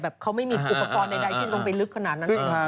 แบบเขาไม่มีอุปกรณ์ใดที่ต้องไปลึกขนาดนั้น